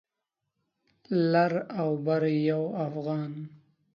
لر او بر یو افغان